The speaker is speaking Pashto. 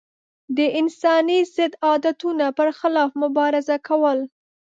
د انساني ضد عادتونو پر خلاف مبارزه کول.